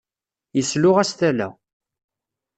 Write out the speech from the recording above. Yesluɣ-as tala.